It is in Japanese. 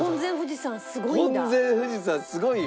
婚前富士山すごいよ。